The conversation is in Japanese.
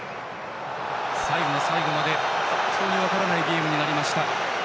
最後の最後まで本当に分からないゲームになりました。